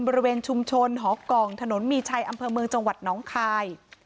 บริเวณชุมชนหอกล่องถนนมีชัยอำเภอเมืองจังหวัดน้องคาย